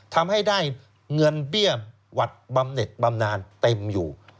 ทำให้ได้เงินเบี้ยวัดบำเน็ตบำนานเต็มอยู่